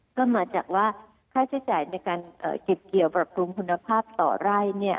ก็มาจากว่าค่าใช้จ่ายในการเก็บเกี่ยวปรับปรุงคุณภาพต่อไร่